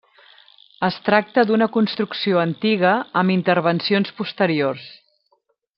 Es tracta d'una construcció antiga amb intervencions posteriors.